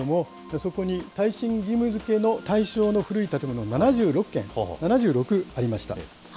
そこに耐震義務づけの対象の古い建物７６件、７６ありました。